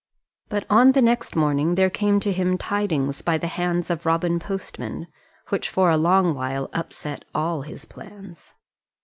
But on the next morning there came to him tidings by the hands of Robin postman, which for a long while upset all his plans.